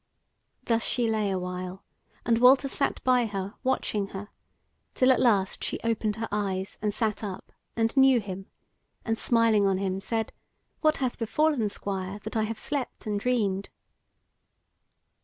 Thus she lay awhile, and Walter sat by her watching her, till at last she opened her eyes and sat up, and knew him, and smiling on him said: "What hath befallen, Squire, that I have slept and dreamed?"